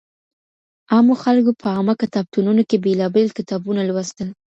عامو خلګو په عامه کتابتونونو کي بېلابېل کتابونه لوستل.